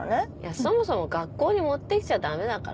そもそも学校に持ってきちゃダメだから。